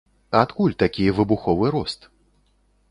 Адкуль такі выбуховы рост?